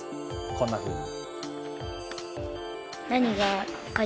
こんなふうに。